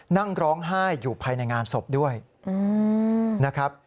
นั่งร้องไห้อยู่ภายในงานศพด้วยนะครับ